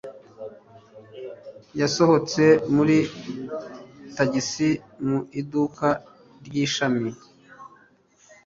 Yasohotse muri tagisi mu iduka ry'ishami.